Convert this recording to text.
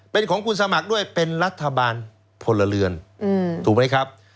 เป็นของคุณสมัครด้วยเป็นรัฐบาลพลเรือนถูกไหมครับ